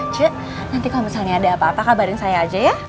cik nanti kalau misalnya ada apa apa kabarin saya aja ya